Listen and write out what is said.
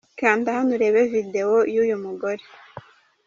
Kanda hano urebe videwo yuyu mugore.